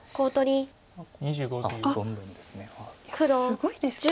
すごいですね。